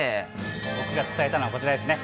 僕が伝えたのはこちらですね。